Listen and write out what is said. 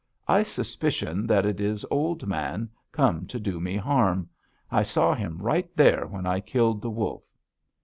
I suspicion that it is Old Man, come to do me harm. I saw him right there when I killed the wolf.'